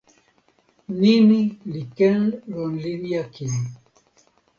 nimi li ken lon linja kin.